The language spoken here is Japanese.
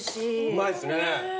うまいっすね。